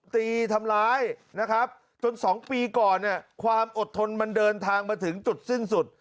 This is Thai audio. ตีทำร้ายนะครับจน๒ปีก่อนเนี่ยความอดทนมันเดินทางมาถึงจุดสิ้นสุด